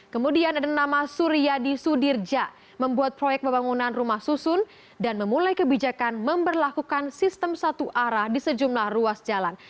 kemudian ada nama suryadi sudirja membuat proyek pembangunan rumah susun dan memulai kebijakan memberlakukan sistem satu arah di sejumlah ruas jalan